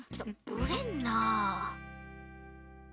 ぶれんな。